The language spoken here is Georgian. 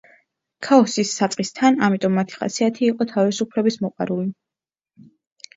ქაოსის საწყისთან, ამიტომ მათი ხასიათი იყო თავისუფლების მოყვარული.